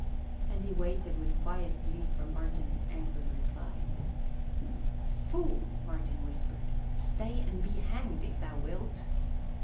And he waited with quiet glee for Martin's angry reply. "Fool!" Martin whispered. "Stay and be hanged, an thou wilt."